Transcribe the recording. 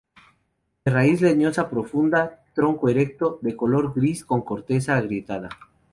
De raíz leñosa profunda, tronco erecto, de color gris con corteza agrietada.